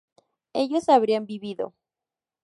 ellos habrían vivido